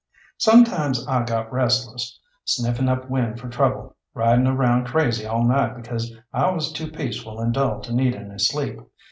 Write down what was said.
Sometimes I got restless, sniffing up wind for trouble, riding around crazy all night because I was too peaceful and dull to need any sleep.